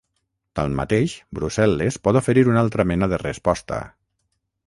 Tanmateix, Brussel·les pot oferir una altra mena de resposta.